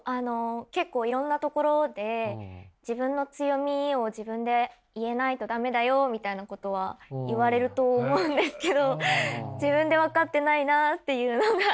結構いろんなところで自分の強みを自分で言えないと駄目だよみたいなことは言われると思うんですけど自分で分かってないなっていうのがずっと悩みで。